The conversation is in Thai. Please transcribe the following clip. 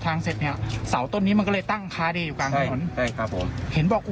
มันตายสักอย่างเนี่ยแล้วมันก็ซ้ำซ้อนคุณ